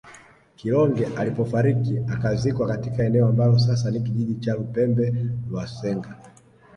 Kilonge alipofariki akazikwa katika eneo ambalo sasa ni kijiji cha Lupembe lwa Senga